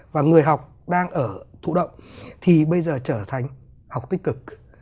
và người học đang ở thụ động thì bây giờ trở thành học tích cực